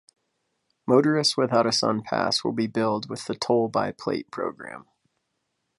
Motorists without a SunPass will be billed with the "Toll-by-Plate" program.